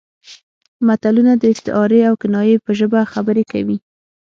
متلونه د استعارې او کنایې په ژبه خبرې کوي